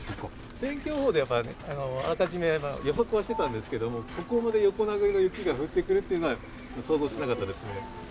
天気予報であらかじめ予測はしていたんですけれどもここまで横殴りの雪が降ってくるというのは想像しなかったですね。